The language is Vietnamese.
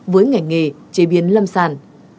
với ngành nghề chế biến lâm sàn